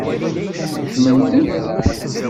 Skecment-t?